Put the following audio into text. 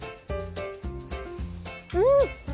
うん！